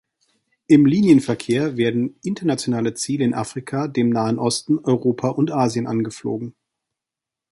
Im Linienverkehr werden internationale Ziele in Afrika, dem Nahen Osten, Europa und Asien angeflogen.